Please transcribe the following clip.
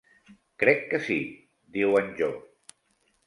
"Crec que sí", diu en Jo.